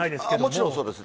もちろんそうです。